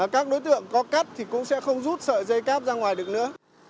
các đối tượng có cắt thì cũng sẽ không rút sợi dây cáp ra ngoài được nữa